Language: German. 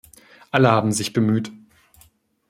Alle haben sich bemüht!